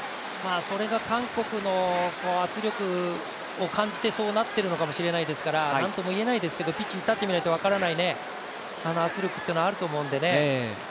それが韓国の圧力を感じて、そうなっているのかもしれないですから何とも言えないですけどピッチに立ってみないと分からない圧力というのはあると思うんでね。